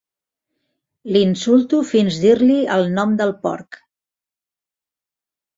L'insulto fins dir-li el nom del porc.